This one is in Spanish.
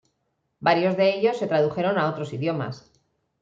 Varios de ellos se tradujeron a otros idiomas.